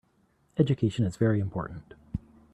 Education is very important.